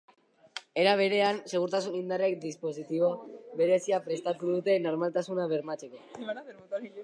Era berean, segurtasun indarrek dispositibo berezia prestatu dute normaltasuna bermatzeko.